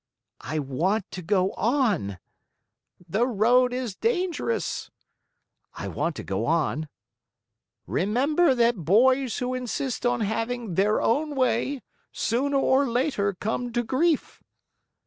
"I want to go on." "The road is dangerous." "I want to go on." "Remember that boys who insist on having their own way, sooner or later come to grief."